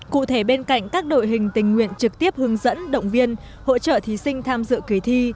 cụ thể bên cạnh các đội hình tình nguyện trực tiếp hướng dẫn động viên hỗ trợ thí sinh tham dự kỳ thi